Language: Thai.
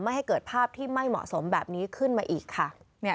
ให้เกิดภาพที่ไม่เหมาะสมแบบนี้ขึ้นมาอีกค่ะ